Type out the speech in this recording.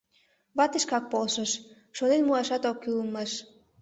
Вате шкак полшыш, шонен муашат ок кӱл улмаш.